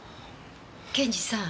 検事さん